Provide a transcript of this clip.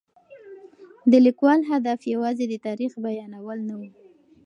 د لیکوال هدف یوازې د تاریخ بیانول نه و.